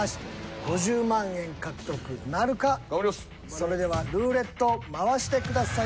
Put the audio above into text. それではルーレット回してください。